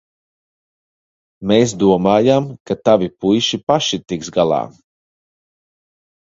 Mēs domājām, ka tavi puiši paši tiks galā.